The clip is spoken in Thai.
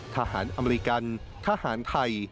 ทหารอเมริกันทหารไทย